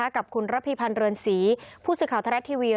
กับคุณระภีพันธ์เรือนศรีผู้ศึกข่าวทะเลททีวี